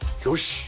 よし！